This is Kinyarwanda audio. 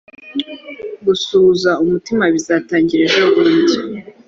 gusuhuza umutima bizatangira ejobundi